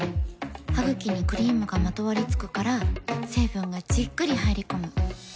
ハグキにクリームがまとわりつくから成分がじっくり入り込む。